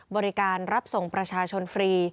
บริการรับส่งประชาชนฟรี